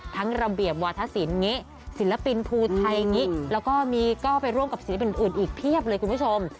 ทั้งระเบียบวาทสินศิลปินภูไทยแล้วก็ไปร่วมกับศิลปินอื่นอีกเพียบเลยคุณผู้ชม